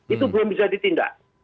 itu belum bisa ditindak